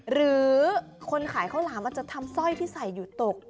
หรือคนขายข้าวหลามอาจจะทำสร้อยที่ใส่อยู่ตก